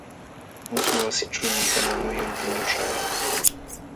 Muśhuq wasiićhuumi kanan muyun puñuśhaq.